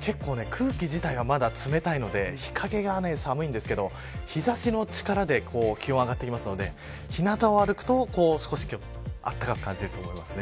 結構、空気自体が、まだ冷たいので日陰は寒いんですけど日差しの力で気温が上がっていきますので日なたを歩くと暖かく感じると思います。